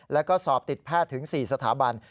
แล้วก็สอบติดแพทย์ถึง๔สถาบัน